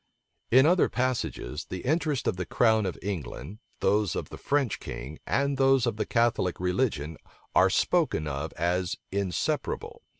In other passages, the interests of the crown of England, those of the French king, and those of the Catholic religion, are spoken of as inseparable.